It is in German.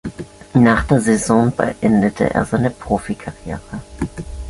Nach der Saison beendete er seine Profikarriere.